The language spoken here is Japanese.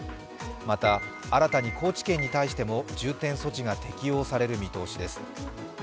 また、新たに高知県に対しても重点措置が適用される見通しです。